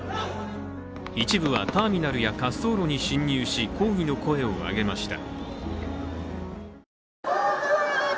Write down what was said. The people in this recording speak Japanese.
一部はターミナルや滑走路に進入し抗議の声を上げました。